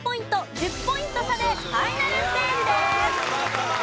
１０ポイント差でファイナルステージです。